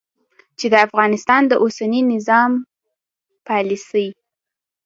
چې د افغانستان د اوسني نظام پالیسي